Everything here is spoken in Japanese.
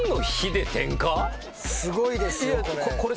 すごいですよこれ。